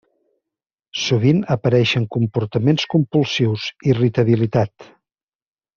Sovint apareixen comportaments compulsius, irritabilitat.